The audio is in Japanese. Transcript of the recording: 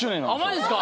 マジっすか！